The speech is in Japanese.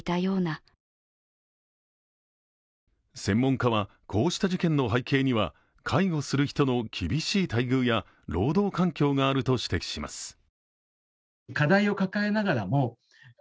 専門家は、こうした事件の背景には介護する人の厳しい待遇や労働環境があると指摘します。